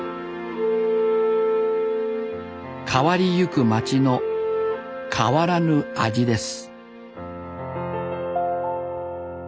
変わりゆく街の変わらぬ味です